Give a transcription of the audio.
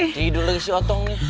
tidur lagi si otong nih